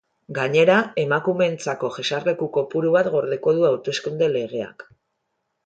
Gainera, emakumeentzako jesarleku kopuru bat gordeko du hauteskunde legeak.